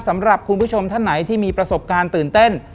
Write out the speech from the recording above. สำหรับคุณผู้ชมท่านไหนที่มีประสบการณ์ตื่นเต้น